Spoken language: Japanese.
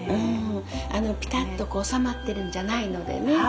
ピタッとこう収まってるんじゃないのでね。